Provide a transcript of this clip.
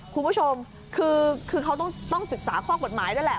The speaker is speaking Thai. คุณผู้ชมคือเขาต้องศึกษาข้อกฎหมายด้วยแหละ